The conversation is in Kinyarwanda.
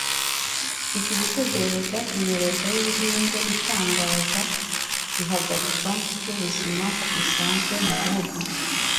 Iki cyorezo cyatumye leta y'Ubuhinde itangaza ihagarikwa ry'ubuzima busanzwe mu gihugu.